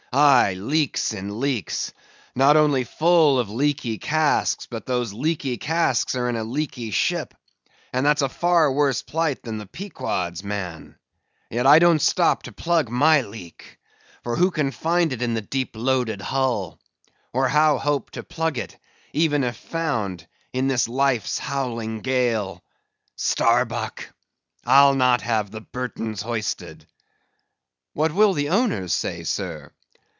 Aye! leaks in leaks! not only full of leaky casks, but those leaky casks are in a leaky ship; and that's a far worse plight than the Pequod's, man. Yet I don't stop to plug my leak; for who can find it in the deep loaded hull; or how hope to plug it, even if found, in this life's howling gale? Starbuck! I'll not have the Burtons hoisted." "What will the owners say, sir?"